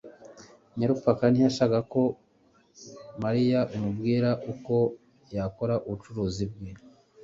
Nyararupfakara ntiyashakaga ko Mariya amubwira uko yakora ubucuruzi bwe.